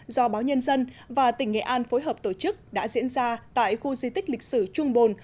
do báo nhân dân và tỉnh nghệ an phối hợp tổ chức đã diễn ra tại khu di tích lịch sử trung bồn